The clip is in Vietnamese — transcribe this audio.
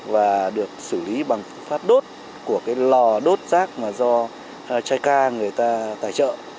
và được xử lý bằng phát đốt của lò đốt rác do chai ca người ta tài trợ